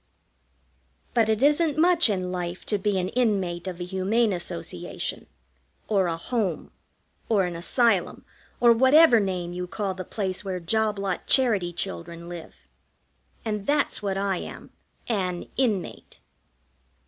But it isn't much in life to be an inmate of a Humane Association, or a Home, or an Asylum, or whatever name you call the place where job lot charity children live. And that's what I am, an Inmate.